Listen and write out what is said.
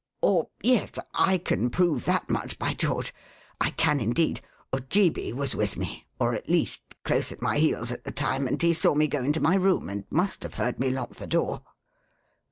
Or yes. I can prove that much, by George! I can, indeed. Ojeebi was with me, or, at least, close at my heels at the time, and he saw me go into my room, and must have heard me lock the door."